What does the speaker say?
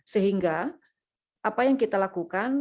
sehingga apa yang kita lakukan